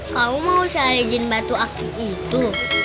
kamu mau cari jin batu aku itu